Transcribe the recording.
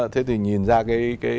thế thì nhìn ra cái